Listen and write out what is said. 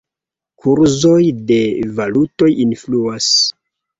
Kurzoj de valutoj influas.